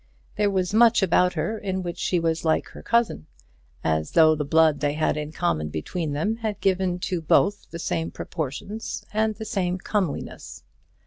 There was much about her in which she was like her cousin, as though the blood they had in common between them had given to both the same proportions and the same comeliness.